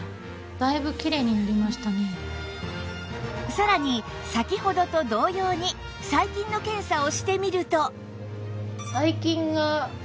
さらに先ほどと同様に細菌の検査をしてみると